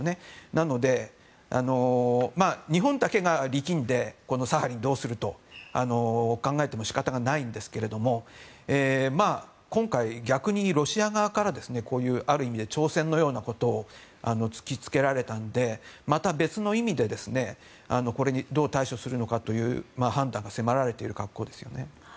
なので、日本だけが力んでサハリンをどうすると考えても仕方がないんですが今回、逆にロシア側からこういうある意味で挑戦のようなことを突きつけられたのでまた別の意味でこれにどう対処するのかという判断が迫られている格好ですよね。